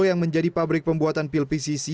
yang menjadi pabrik pembuatan pil pcc